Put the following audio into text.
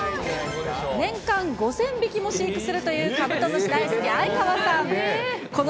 年間５０００匹も飼育するというカブトムシ大好き、哀川さん。